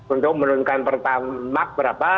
untuk menurunkan pertamak berapa